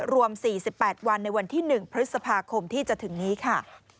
รวม๔๘วันในวันที่๑พฤษภาคมที่จะถึงนี้ค่ะ